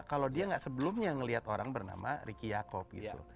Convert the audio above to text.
kalau dia tidak sebelumnya melihat orang bernama ricky yaakob